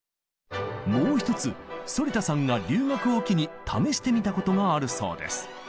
もう一つ反田さんが留学を機に試してみたことがあるそうです。